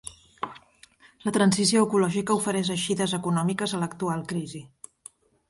La transició ecològica ofereix eixides econòmiques a l’actual crisi.